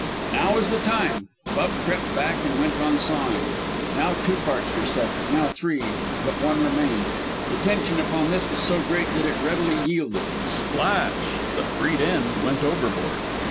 Now was the time! Bub crept back and went on sawing. Now two parts were severed. Now three. But one remained. The tension upon this was so great that it readily yielded. Splash! The freed end went overboard.